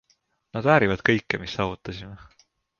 Nad väärivad kõike, mis saavutasime.